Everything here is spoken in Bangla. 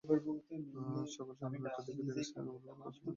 সকাল সাড়ে নয়টায় তিনি স্থানীয় গ্রামীণফোন কাস্টমার কেয়ার থেকে সিমটি তুলেন।